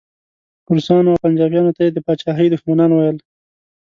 روسانو او پنجابیانو ته یې د پاچاهۍ دښمنان ویل.